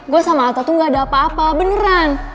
gue sama alta tuh gak ada apa apa beneran